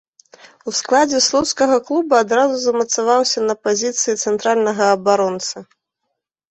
У складзе слуцкага клуба адразу замацаваўся на пазіцыі цэнтральнага абаронцы.